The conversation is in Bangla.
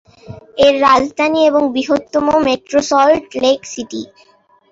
এর রাজধানী এবং বৃহত্তম মেট্রো সল্ট লেক সিটি।